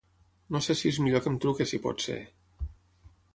No se si és millor que em truqui si pots ser.